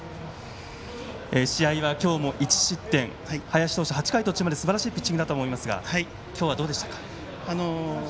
試合は今日も１失点、林投手すばらしいピッチングだと思いますが、今日はどうでしたか。